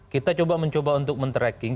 kita coba mencoba untuk men tracking